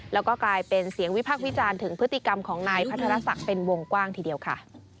แล้วก็กลายเป็นเสียงวิพากษ์วิจารณ์ถึงพฤติกรรมของนายพัทรศักดิ์เป็นวงกว้างทีเดียวค่ะ